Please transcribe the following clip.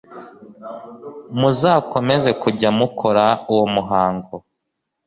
muzakomeze kujya mukora uwo muhango